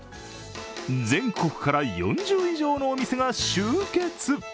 全国から４０以上のお店が集結。